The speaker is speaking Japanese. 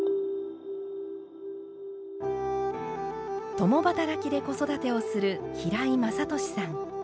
共働きで子育てをする平井雅俊さん。